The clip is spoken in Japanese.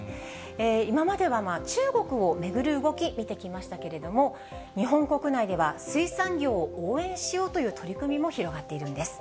今までは中国を巡る動き、見てきましたけれども、日本国内では、水産業を応援しようという取り組みも広がっているんです。